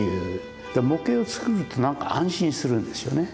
模型を作ると何か安心するんですよね。